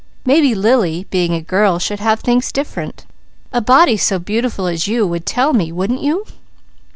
Maybe Lily, being a girl, should have things different. A body so beautiful as you, would tell me, wouldn't you?"